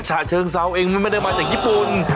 ฉะเชิงเซาเองมันไม่ได้มาจากญี่ปุ่น